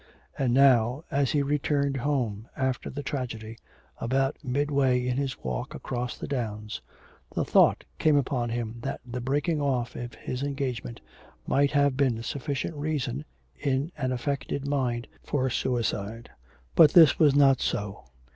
And now, as he returned home after the tragedy, about midway in his walk across the downs, the thought came upon him that the breaking off of his engagement might have been sufficient reason in an affected mind for suicide. But this was not so.